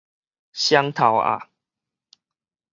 雙頭鳥